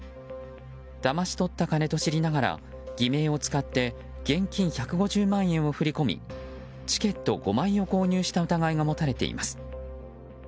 だまし取った金と知りながら偽名を使って現金１５０万円を振り込みチケット５枚を購入した疑いが持たれています。